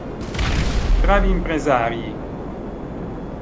Bravi impresarii!